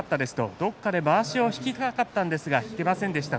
どこかでまわしを引きたかったんだけども引けませんでした。